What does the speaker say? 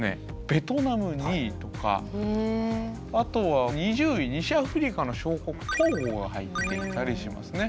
ベトナム２位とかあとは２０位西アフリカの小国トーゴが入っていたりしますね。